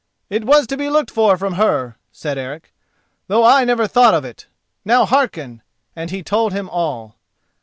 "It was to be looked for from her," said Eric, "though I never thought of it. Now hearken!" and he told him all.